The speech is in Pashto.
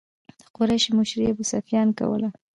د قریشو مشري ابو سفیان کوله.